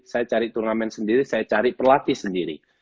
saya mencari turnamen sendiri saya mencari pelatih sendiri